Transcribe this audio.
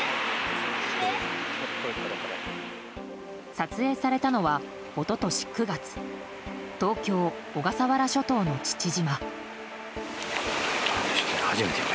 撮影されたのは一昨年９月東京・小笠原諸島の父島。